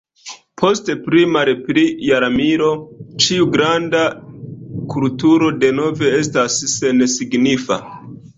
Post pli-malpli jarmilo ĉiu granda kulturo denove estas sensignifa.